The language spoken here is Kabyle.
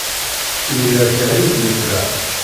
Imir-a kan ay d-nekreɣ.